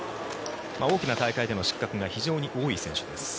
大きな大会での失格が非常に多い選手です。